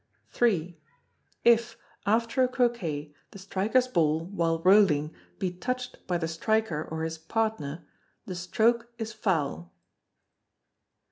iii. If, after a Croquet, the striker's ball, while rolling, be touched by the striker or his partner, the stroke is foul.